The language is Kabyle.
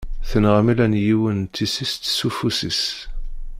Tenɣa Melanie yiwet n tissist s ufus-is.